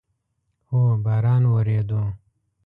هو، باران اوورېدو